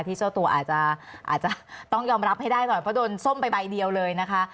เจ้าตัวอาจจะต้องยอมรับให้ได้หน่อยเพราะโดนส้มไปใบเดียวเลยนะคะ